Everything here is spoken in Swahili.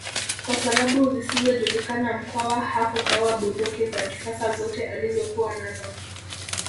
Kwa sababu zisizojulikana Mkwawa hakugawa bunduki za kisasa zote alizokuwa nazo